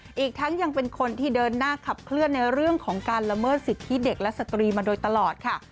อีกทั้งยังเป็นคนที่เดินหน้าขับเคลื่อนในเรื่องของการละเมิดสิทธิเด็กและสตรีมาโดยตลอดค่ะ